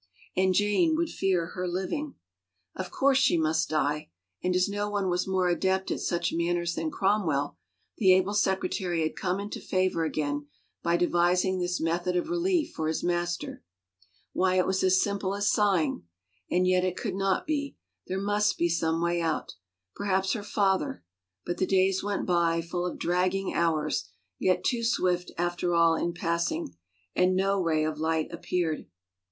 And Jane would fear her living. Of course she must diel And as no one was more adept at such matters than Cromwell, the able secretary had come into favor again by devising this method of relief for his master. Why it was simple as sighing! And yet it could not be. There must be some way out. Perhaps her father — but the days went by, full of dragging hours yet too swift after all in passing, and no ray of light appeared.